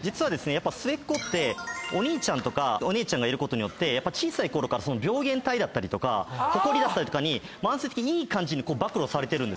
末っ子ってお兄ちゃんとかお姉ちゃんがいることによって小さいころから病原体とかほこりだったりとかに慢性的にいい感じに曝露されてる。